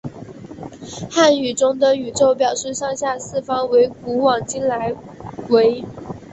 汉语中的宇宙表示上下四方为古往今来为。